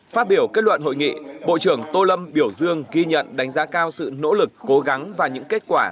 phát biểu kết luận hội nghị bộ trưởng tô lâm biểu dương ghi nhận đánh giá cao sự nỗ lực cố gắng và những kết quả